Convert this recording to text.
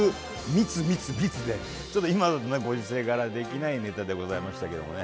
密密密でちょっと今のご時世柄できないネタでございましたけどもね。